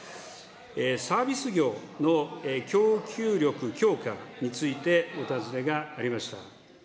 サービス業の供給力強化についてお尋ねがありました。